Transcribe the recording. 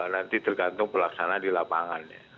nanti tergantung pelaksanaan di lapangan ya